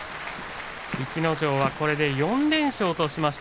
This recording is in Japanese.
逸ノ城はこれで４連勝です。